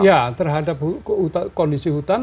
ya terhadap kondisi hutan